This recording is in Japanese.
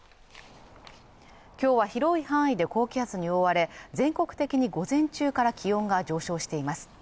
きょうは広い範囲で高気圧に覆われ全国的に午前中から気温が上昇しています